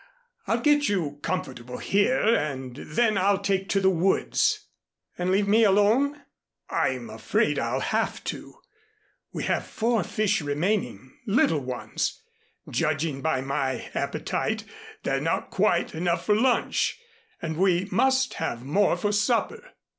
I'll get you comfortable here and then I'll take to the woods " "And leave me alone?" "I'm afraid I'll have to. We have four fish remaining little ones. Judging by my appetite they're not quite enough for lunch and we must have more for supper."